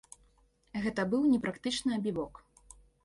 Гэта быў непрактычны абібок.